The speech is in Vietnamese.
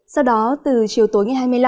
sau đó từ chiều tối ngày hai mươi năm